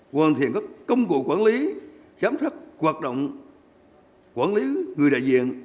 hoàn thiện các công cụ quản lý giám sát hoạt động quản lý người đại diện